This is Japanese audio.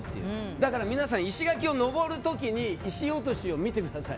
だから皆さん、石垣を上る時に石落としを見てください。